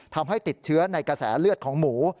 ทำให้ติดเชื้อในกระแสเลือดของหมู